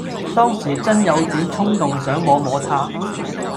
當時真有點衝動想摸摸它